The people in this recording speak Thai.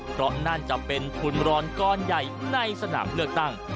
เพราะนั่นจะเป็นทุนรอนก้อนใหญ่ในสนามเลือกตั้ง